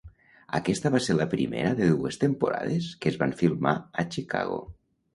Aquesta va ser la primera de dues temporades que es van filmar a Chicago.